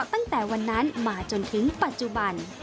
ตั้งแต่วันนั้นมาจนถึงปัจจุบัน